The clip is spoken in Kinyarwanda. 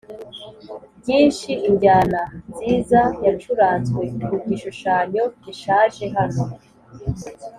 byinshi injyana nziza yacuranzwe ku gishushanyo gishaje - hano